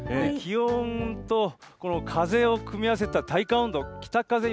気温とこの風を組み合わせた体感温度、北風